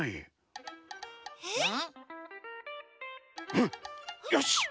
うん！よし！